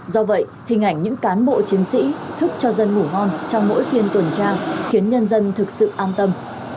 do vậy hình ảnh những cán bộ chiến sĩ thức cho dân ngủ ngon trong mỗi phiên tuần tra khiến nhân dân thực sự an tâm